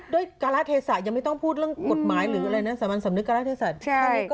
ด้วยกาลเทศักดิ์ยังไม่ต้องพูดเรื่องกฎหมายหรืออะไรนะสารสำนึกการาศาจ